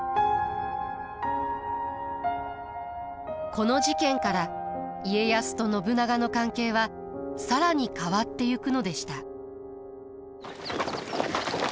この事件から家康と信長の関係は更に変わってゆくのでした。